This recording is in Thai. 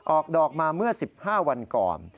ออกดอกมาเมื่อ๑๕วันก่อน